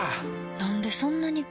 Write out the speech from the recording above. なんでそんなに